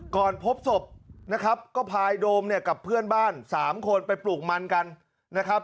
พบศพนะครับก็พายโดมเนี่ยกับเพื่อนบ้าน๓คนไปปลูกมันกันนะครับ